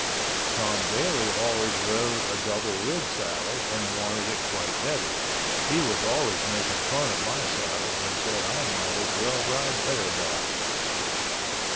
Tom Daly always rode a double rig saddle and wanted it quite heavy. He was always making fun of my saddle and said I might as well ride bareback.